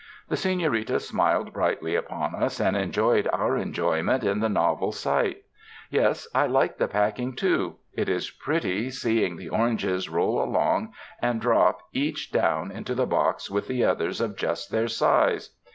The Senorita smiled brightly upon us and enjoyed our enjoyment in the novel sight. "Yes, I like the packing, too; it is pretty seeing the oranges roll along and drop each down into the box with the others of just their size.